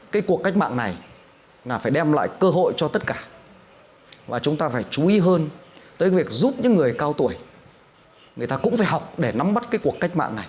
cái cuộc cách mạng này là phải đem lại cơ hội cho tất cả và chúng ta phải chú ý hơn tới việc giúp những người cao tuổi người ta cũng phải học để nắm bắt cái cuộc cách mạng này